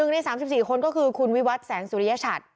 ใน๓๔คนก็คือคุณวิวัตแสงสุริยชัด